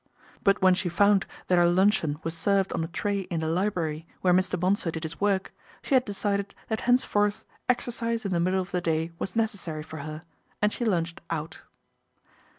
But when she found that her luncheon was served on a tray in the library, where Mr. Bonsor did his work, she had decided that henceforth exercise in the middle of the day was necessary for her, and she lunched out.